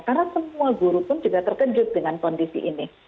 karena semua guru pun juga terkejut dengan kondisi ini